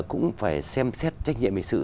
cũng phải xem xét trách nhiệm bình sự